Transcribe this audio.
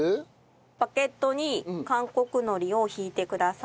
バゲットに韓国海苔を敷いてください。